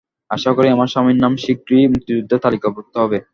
আশা করি, আমার স্বামীর নাম শিগগির মুক্তিযোদ্ধার তালিকাভুক্ত হবে।